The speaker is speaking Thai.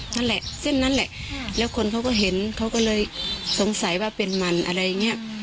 นั่นแหละเส้นนั้นแหละแล้วคนเขาก็เห็นเขาก็เลยสงสัยว่าเป็นมันอะไรอย่างเงี้ย